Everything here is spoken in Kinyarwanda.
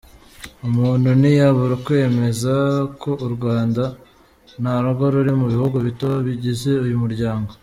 Umuntu ntiyabura kwemeza ko u Rwanda narwo ruri mu bihugu bito bigize uyu muryango.